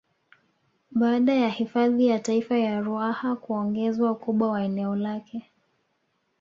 Baada ya hifadhi ya Taifa ya Ruaha kuongezwa ukubwa wa eneo lake